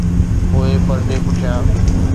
پوءِ پردي پٺيان.